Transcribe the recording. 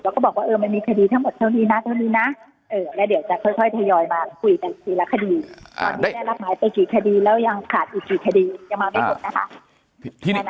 แล้วก็บอกว่ามันมีคดีทั้งหมดเท่านี้นะเท่านี้นะแล้วเดี๋ยวจะค่อยทยอยมาคุยกันทีละคดีตอนนี้ได้รับหมายไปกี่คดีแล้วยังขาดอีกกี่คดียังมาไม่หมดนะคะ